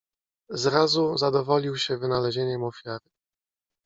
"Zrazu zadowolił się wynalezieniem ofiary."